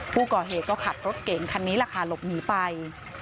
ผู้ก่อเหตุก็ขับรถเก่งคันนี้แหละค่ะหลบหนีไป